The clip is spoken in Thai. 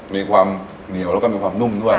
มีความเหนียวแล้วก็มีความนุ่มด้วย